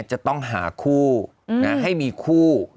จะต้องหาคู่ให้มีคู่